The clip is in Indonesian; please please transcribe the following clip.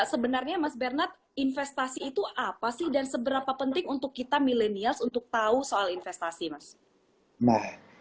sebenarnya mas bernard investasi itu apa sih dan seberapa penting untuk kita milenials untuk tahu soal investasi mas